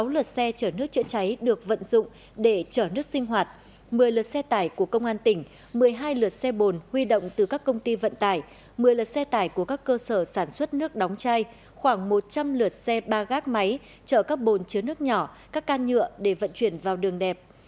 một mươi lượt xe tải của công an tỉnh một mươi hai lượt xe bồn huy động từ các công ty vận tải một mươi lượt xe tải của các cơ sở sản xuất nước đóng chai khoảng một trăm linh lượt xe ba gác máy chở các bồn chứa nước nhỏ các can nhựa để vận chuyển vào đường đẹp